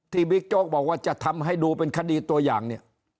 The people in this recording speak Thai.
บิ๊กโจ๊กบอกว่าจะทำให้ดูเป็นคดีตัวอย่างเนี่ย